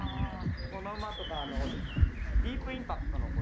この馬とかディープインパクトの子供。